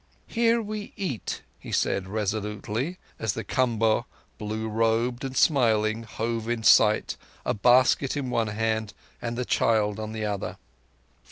"Here we eat," he said resolutely, as the Kamboh, blue robed and smiling, hove in sight, a basket in one hand and the child in the other.